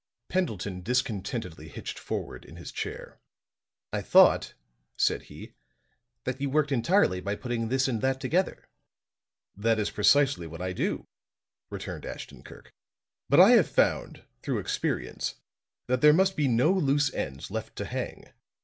Pendleton discontentedly hitched forward in his chair. "I thought," said he, "that you worked entirely by putting this and that together." "That is precisely what I do," returned Ashton Kirk. "But I have found, through experience, that there must be no loose ends left to hang.